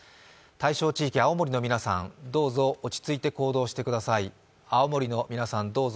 対象地域、青森の皆さんどうぞ落ち着いて行動してください。